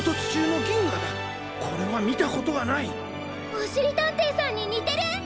おしりたんていさんににてる！